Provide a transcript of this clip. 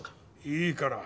いいから。